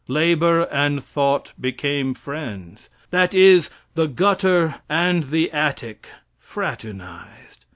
Labor and thought became friends. That is, the gutter and the attic fraternized.